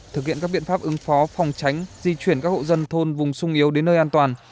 thực hiện các biện pháp ứng phó phòng tránh di chuyển các hộ dân thôn vùng sung yếu đến nơi an toàn